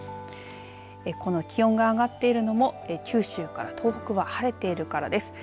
この気温が上がっているのも九州から東北は晴れているからです。